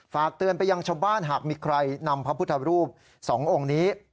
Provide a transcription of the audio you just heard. ฝากเตือนไปยังชาวบ้านหากมีใครนำพระพุทธรูป๒องค์นี้